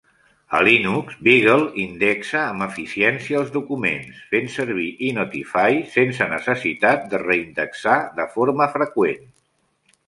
A Linux, Beagle indexa amb eficiència els documents fent servir inotify sense necessitat de reindexar de forma freqüent.